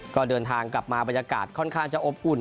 ก็เดินทางกลับมาบรรยากาศค่อนข้างจะอบอุ่น